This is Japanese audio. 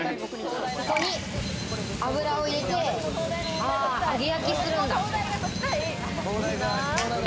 ここに油を入れて、揚げ焼きするんだ。